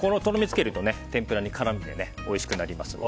とろみをつけると天ぷらに絡んでおいしくなりますよ。